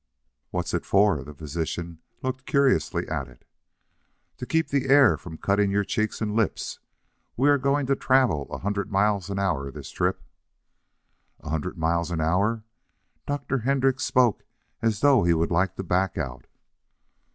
"What's it for?" The physician looked curiously at it. "To keep the air from cutting your cheeks and lips. We are going to travel a hundred miles an hour this trip." "A hundred miles an hour!" Dr. Hendrix spoke as though he would like to back out.